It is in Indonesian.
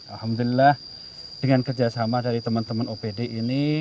alhamdulillah dengan kerjasama dari teman teman opd ini